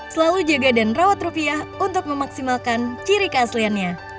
selalu jaga dan rawat rupiah untuk memaksimalkan ciri keasliannya